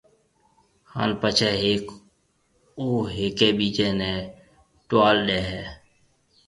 ھان پڇيَ ھيَََڪ او ھيَََڪيَ ٻيجيَ نيَ ٽوال ڏَي ھيََََ